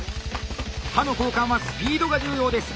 刃の交換はスピードが重要です。